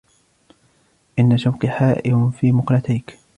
إنّ شوقي حائر في مقلتيك